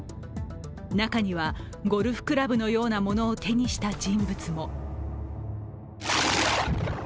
中にはゴルフクラブのようなものを手にした人物も。